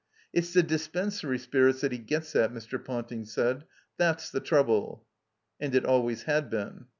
"It's the dispensary spirits that he gets at," Mr. Ponting said. '* That's the trouble. '' (And it always had been.)